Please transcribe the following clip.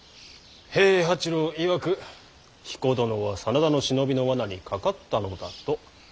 平八郎いわく彦殿は真田の忍びの罠にかかったのだと。